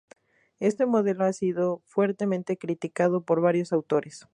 Este modelo ha sido fuertemente criticado por varios autores.